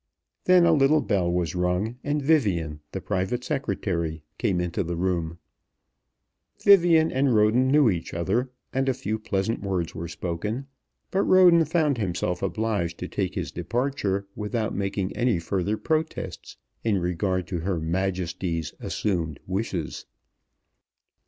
Then a little bell was rung, and Vivian, the private secretary, came into the room. Vivian and Roden knew each other, and a few pleasant words were spoken; but Roden found himself obliged to take his departure without making any further protests in regard to Her Majesty's assumed wishes.